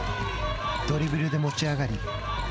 ドリブルで持ち上がり。